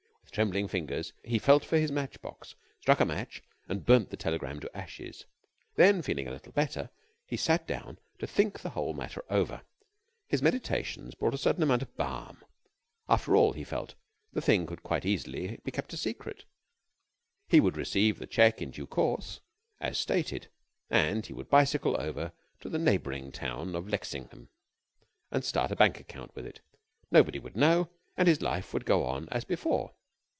With trembling fingers he felt for his match box, struck a match, and burnt the telegram to ashes. Then, feeling a little better, he sat down to think the whole matter over. His meditations brought a certain amount of balm. After all, he felt, the thing could quite easily be kept a secret. He would receive the check in due course, as stated, and he would bicycle over to the neighboring town of Lexingham and start a bank account with it. Nobody would know, and life would go on as before.